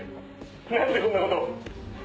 何でこんなことを。